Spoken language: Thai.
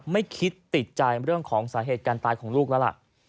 ไม่คิดติดใจเรื่องของสาเหตุการตายของลูกแล้วล่ะ